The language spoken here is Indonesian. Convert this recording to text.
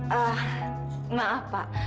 ah maaf pak